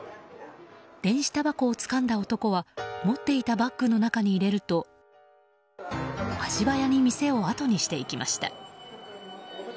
電子たばこをつかんだ男は持っていたバッグの中に入れると足早に店をあとにしていきました。